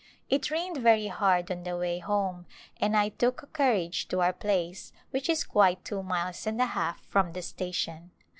It rained very hard on the way home and I took a carriage to our place which is quite two miles and a half from the station.